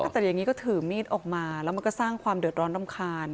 แต่อย่างนี้ก็ถือมีดออกมาแล้วมันก็สร้างความเดือดร้อนรำคาญ